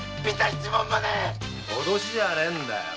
脅しじゃねえんだ。